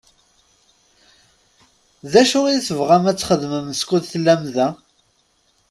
D acu i tebɣam ad t-txedmem skud tellam da?